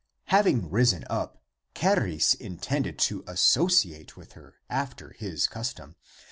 Having risen up, Charis intended to as sociate with her after his custom.